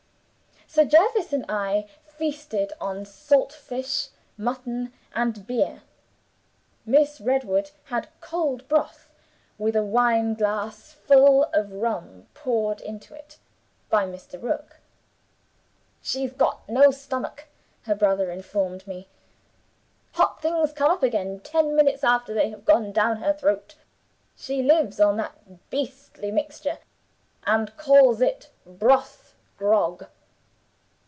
Sir Jervis and I feasted on salt fish, mutton, and beer. Miss Redwood had cold broth, with a wine glass full of rum poured into it by Mr. Rook. 'She's got no stomach,' her brother informed me; 'hot things come up again ten minutes after they have gone down her throat; she lives on that beastly mixture, and calls it broth grog!